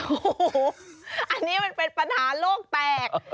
โอ้โหอันนี้มันเป็นปัญหาโลกแตก